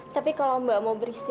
tapi kalau miss mau istirahat di sini